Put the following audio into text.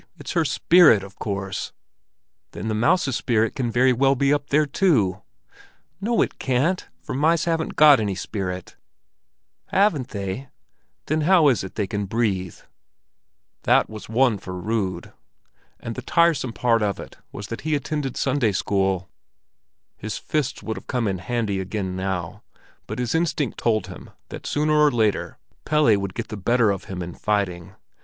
It's her spirit, of course!" "Then the mouse's spirit can very well be up there too." "No, it can't, for mice haven't got any spirit." "Haven't they? Then how is it they can breathe?" In Danish, spirit = aand, and to breathe = aande. That was one for Rud! And the tiresome part of it was that he attended Sunday school. His fists would have come in handy again now, but his instinct told him that sooner or later Pelle would get the better of him in fighting.